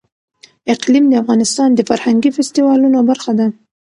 اقلیم د افغانستان د فرهنګي فستیوالونو برخه ده.